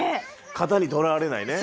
型にとらわれないね。